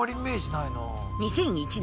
２００１年